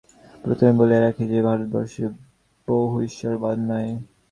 প্রথমেই বলিয়া রাখি যে, ভারতবর্ষে বহু-ঈশ্বরবাদ নাই।